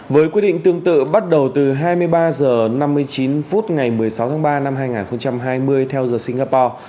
với quyết định tương tự bắt đầu từ hai mươi ba h năm mươi chín phút ngày một mươi sáu tháng ba năm hai nghìn hai mươi theo giờ singapore